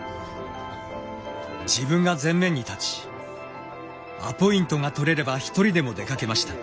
自分が前面に立ちアポイントが取れれば一人でも出かけました。